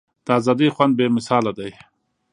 د ازادۍ خوند بې مثاله دی.